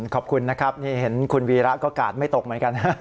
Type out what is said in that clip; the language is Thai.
ขอบคุณนะครับนี่เห็นคุณวีระก็กาดไม่ตกเหมือนกันฮะ